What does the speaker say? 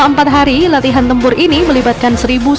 selama empat hari latihan tempur ini melibatkan satu satu ratus enam puluh